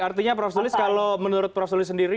artinya prof tulis kalau menurut prof sulis sendiri